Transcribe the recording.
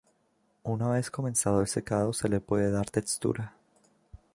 Una vez comenzado el secado se le puede dar textura.